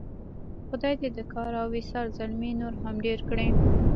خدای دې د کار او ایثار زلمي نور هم ډېر کړي.